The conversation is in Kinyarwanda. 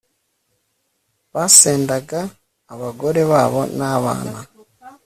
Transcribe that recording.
basendaga abagore babo nabana